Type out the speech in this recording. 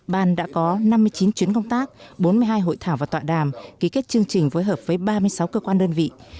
ban đã có năm mươi chín chuyến công tác bốn mươi hai hội thảo và tọa đàm ký kết chương trình phối hợp với ba mươi sáu cơ quan đơn vị